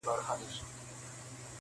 • بهرني ځواکونه راپورونه جوړوي ډېر ژر,